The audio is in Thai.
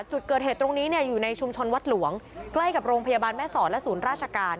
จุดเกิดเหตุตรงนี้อยู่ในชุมชนวัดหลวงใกล้กับโรงพยาบาลแม่สอดและศูนย์ราชการ